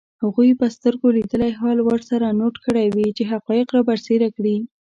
هغوی به سترګو لیدلی حال ورسره نوټ کړی وي چي حقایق رابرسېره کړي